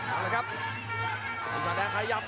เอาละครับปีศาจแดงขยับ